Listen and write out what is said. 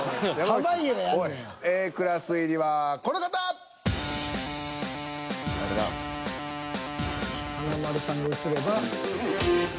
華丸さんが映れば。